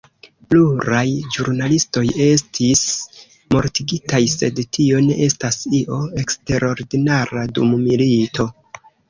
Pluraj ĵurnalistoj estis mortigitaj, sed tio ne estas io eksterordinara dum milito.